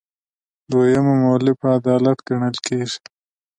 دویمه مولفه عدالت ګڼل کیږي.